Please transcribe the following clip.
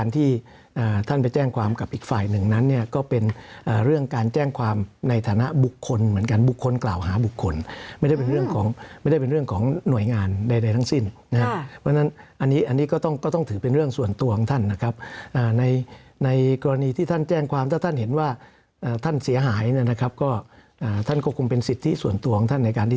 ที่ท่านไปแจ้งความกับอีกฝ่ายหนึ่งนั้นเนี่ยก็เป็นเรื่องการแจ้งความในฐานะบุคคลเหมือนกันบุคคลกล่าวหาบุคคลไม่ได้เป็นเรื่องของไม่ได้เป็นเรื่องของหน่วยงานใดทั้งสิ้นนะครับเพราะฉะนั้นอันนี้อันนี้ก็ต้องก็ต้องถือเป็นเรื่องส่วนตัวของท่านนะครับในในกรณีที่ท่านแจ้งความถ้าท่านเห็นว่าท่านเสียหายเนี่ยนะครับก็ท่านก็คงเป็นสิทธิส่วนตัวของท่านในการที่